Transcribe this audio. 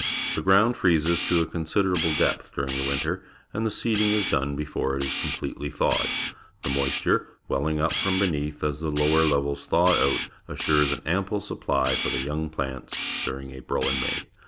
The ground freezes to a considerable depth during the winter, and the seeding is done before it is completely thawed. The moisture, welling up from beneath as the lower levels thaw out, assures an ample supply for the young plants during April and May.